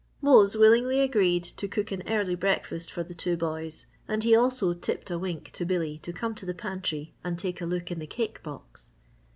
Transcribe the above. Mose willingly agreed to cook an early breakfast for the two boys and he also tipped a wink to Billy to come to the pantry and take a look in the cake box.